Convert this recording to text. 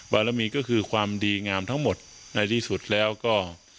บารมีก็คือความดีงามทั้งหมดในที่สุดแล้วก็